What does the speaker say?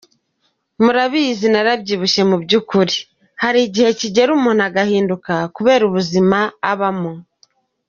Murabizi narabyibushye mu by’ukuri, hari igihe kigera umuntu agahinduka kubera ubuzima abamo.